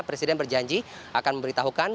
presiden berjanji akan memberitahukan